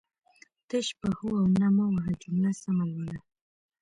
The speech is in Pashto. تش په هو او نه مه وهه جمله سمه لوله